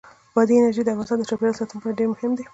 بادي انرژي د افغانستان د چاپیریال ساتنې لپاره ډېر مهم دي.